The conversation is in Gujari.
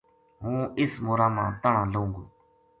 ہوں اس مورا ما تہناں لہوں گو